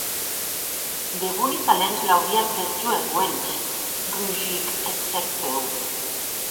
De boni talents l’auria trèt jo es uelhs, rugic eth cèc Pew.